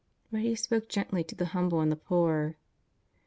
" But he spoke gently to the humble and the poor.